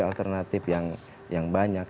alternatif yang banyak